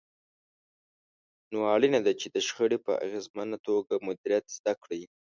نو اړينه ده چې د شخړې په اغېزمنه توګه مديريت زده کړئ.